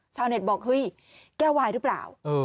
ชาวเน็ตบอกเฮ้ยแก้ววายหรือเปล่า